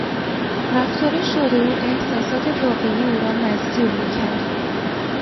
رفتار شاد او احساسات واقعی او را مستور میکرد.